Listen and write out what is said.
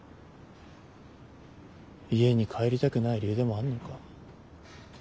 家に帰りたくない理由でもあんのか？